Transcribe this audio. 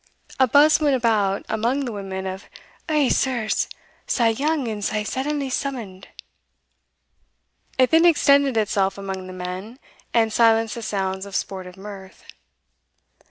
A buzz went about among the women of "Eh, sirs! sae young and sae suddenly summoned!" It then extended itself among the men, and silenced the sounds of sportive mirth.